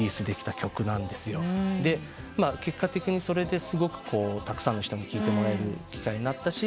で結果的にそれですごくたくさんの人に聴いてもらえる機会になったし。